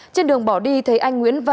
trên đường bỏ đi thấy anh nguyễn thị sang